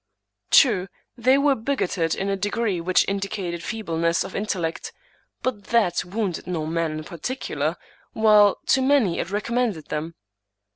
True, they were bigoted in a degree which indicated feebleness of intellect; but that wounded no man in par ticular, while to many it recommended them.